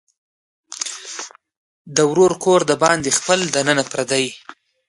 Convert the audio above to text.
مالداري په خصوصي مالکیت کې شامله وه.